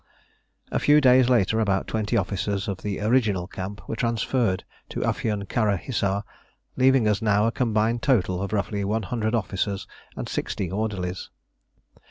A few days later about twenty officers of the original camp were transferred to Afion Kara Hissar, leaving us now a combined total of roughly 100 officers and 60 orderlies.